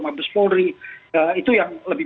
mabes polri itu yang lebih